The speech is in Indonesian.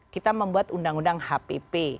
kita membuat undang undang hpp